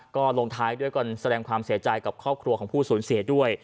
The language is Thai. ก็ลงท้ายด้วยการแสดงความเสียใจกับครอบครัวของผู้สูญเสียด้วย